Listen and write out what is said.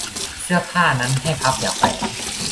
เสื้อผ้านั้นให้พับอย่าแขวน